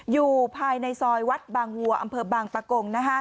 อยู่ภายในซอยวัดบางวัวอำเภอบางปะกง